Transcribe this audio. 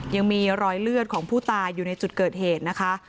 ยังมีรอยเลือดของผู้ตายอยู่ในจุดเกิดเหตุนะคะ